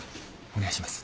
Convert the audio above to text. お願いします。